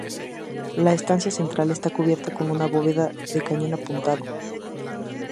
La estancia central está cubierta con una bóveda de cañón apuntado.